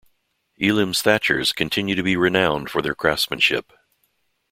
Elim's thatchers continue to be renowned for their craftsmanship.